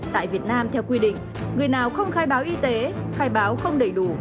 tại việt nam theo quy định người nào không khai báo y tế khai báo không đầy đủ